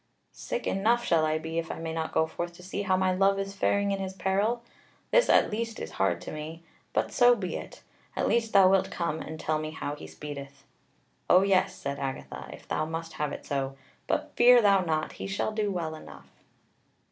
"Sick enough shall I be if I may not go forth to see how my love is faring in his peril: this at least is hard to me; but so be it! At least thou wilt come and tell me how he speedeth." "Oh yes," said Agatha, "if thou must have it so; but fear thou not, he shall do well enough."